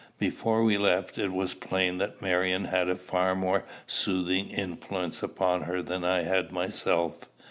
Before we left, it was plain that Marion had a far more soothing influence upon her than I had myself.